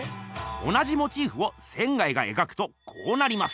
同じモチーフを仙がえがくとこうなります。